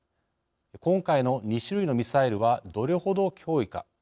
今回の２種類のミサイルはどれほど脅威か。